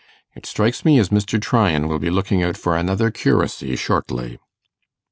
It strikes me Mr. Tryan will be looking out for another curacy shortly.